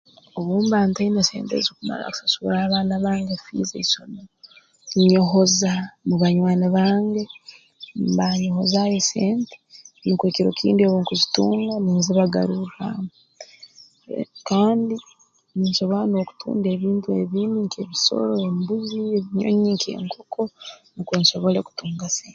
Obu mba ntaine sente ezi kumara kusasurra abaana bange fiizi ha isomero nyehoza mu banywani bange mm baanyohozaayo sente nukwe kiro kindi obu nkuzitunga ninzibagarurraamu err kandi ninsobora n'okutunda ebintu ebindi nk'ebisoro embuzi ebinyonyi nk'enkoko nukwe nsobole kutunga se